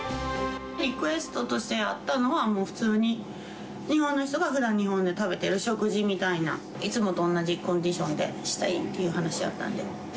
リクエストとしてあったのは、もう普通に日本の人がふだん、日本で食べてる食事みたいな、いつもと同じコンディションでしたいっていう話だったんで。